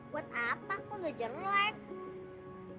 buat apa kok gak jernoan